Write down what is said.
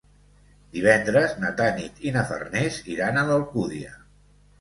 Divendres na Tanit i na Farners iran a l'Alcúdia.